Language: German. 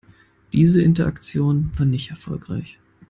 Diese Interaktion war nicht erfolgreich.